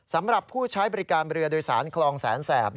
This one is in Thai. สำหรับผู้ใช้บริการเรือโดยสารคลองแสนแสบ